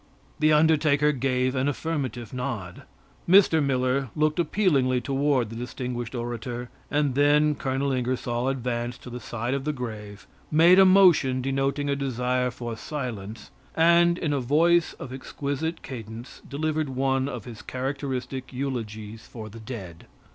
The undertaker gave an affirmative nod. Mr. Miller looked appealingly toward the distinguished orator, and then Colonel Ingersoll advanced to the side of the grave, made a motion denoting a desire for silence, and, in a voice of exquisite cadence, delivered one of his characteristic eulogies for the dead.